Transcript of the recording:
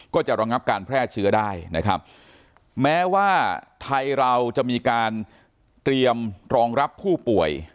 ก็จะระงับการแพร่เชื้อได้นะครับแม้ว่าไทยเราจะมีการเตรียมรองรับผู้ป่วย